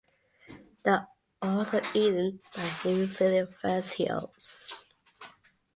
They are also eaten by New Zealand fur seals.